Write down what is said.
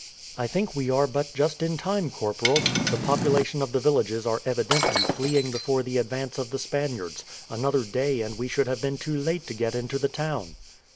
"I think we are but just in time, corporal. The population of the villages are evidently fleeing before the advance of the Spaniards. Another day and we should have been too late to get into the town."